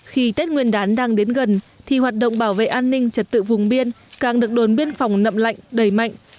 khi tết nguyên đán đang đến gần thì hoạt động bảo vệ an ninh trật tự vùng biên càng được đồn biên phòng nậm lạnh đẩy mạnh